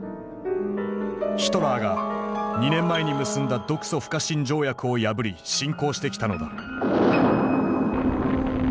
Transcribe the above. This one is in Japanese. ヒトラーが２年前に結んだ独ソ不可侵条約を破り侵攻してきたのだ。